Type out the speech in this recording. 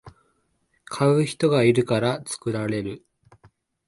買う人がいるから作られる